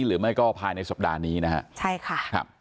หรือไม่ก็ภายในสัปดาห์นี้นะฮะใช่ค่ะครับ